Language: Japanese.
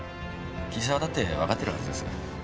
桐沢だってわかってるはずです。